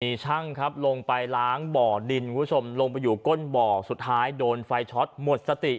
มีช่างครับลงไปล้างบ่อดินคุณผู้ชมลงไปอยู่ก้นบ่อสุดท้ายโดนไฟช็อตหมดสติ